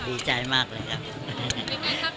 ดีใจมากเลยครับ